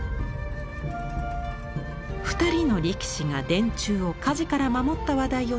２人の力士が電柱を火事から守った話題を伝える作品。